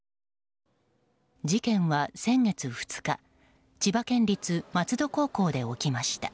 事件は先月２日千葉県立松戸高校で起きました。